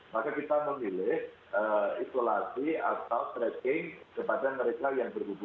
maka kita memilih isolasi atau tracking kepada mereka yang berhubungan